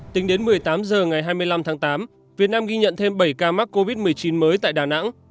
tính đến một mươi tám h ngày hai mươi năm tháng tám việt nam ghi nhận thêm bảy ca mắc covid một mươi chín mới tại đà nẵng